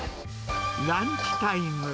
ランチタイム。